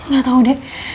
gak tau dewi